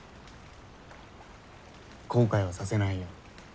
後悔はさせないよ。